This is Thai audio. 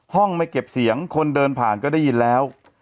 ห้องไม่เก็บเสียงคนเดินผ่านก็ได้ยินแล้ว